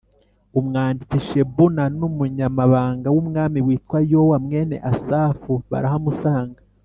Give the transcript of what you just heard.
umwanditsi Shebuna, n’umunyamabanga w’umwami witwa Yowa mwene Asafu, barahamusanga.